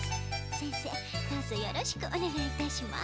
せんせいどうぞよろしくおねがいいたします。